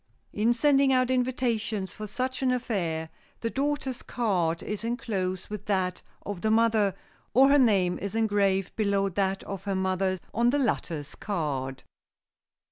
In sending out invitations for such an affair, the daughter's card is enclosed with that of the mother, or her name is engraved below that of her mother on the latter's card.